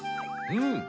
うん！